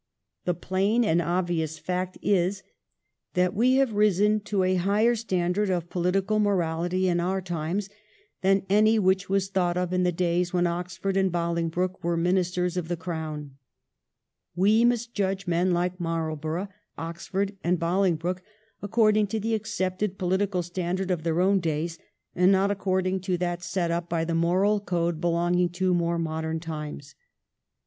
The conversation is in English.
The plain and obvious fact is that we have risen to a higher standard of political morality in our times than any which was thought of in the days when Oxford and Bolingbroke were Ministers of the Crown. We must judge men like Marlborough, Oxford, and Bolingbroke according to the accepted pohtical standard of their own days, and not accord ing to that set up by the moral code belonging to more modern times.